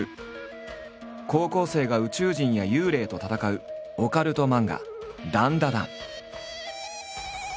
高校生が宇宙人や幽霊と戦うオカルト漫画「ダンダダン」。